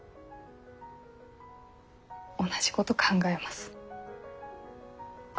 同じこと考えます私も。